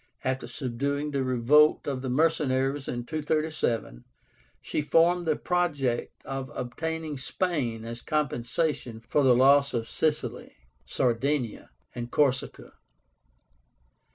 After subduing the revolt of the mercenaries in 237, she formed the project of obtaining SPAIN as compensation for the loss of Sicily, Sardinia, and Corsica.